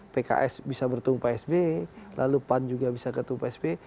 pks bisa bertemu pak sbe lalu pan juga bisa bertemu pak sbe